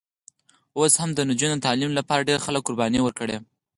اوس هم د نجونو د تعلیم لپاره ډېر خلک قربانۍ ورکړي.